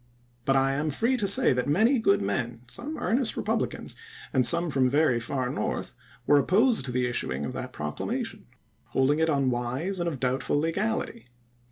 But I am free to say that many good men, some earnest Republicans, and some from very far North, were opposed to the issuing of that proclamation, hold ing it unwise and of doubtful legality.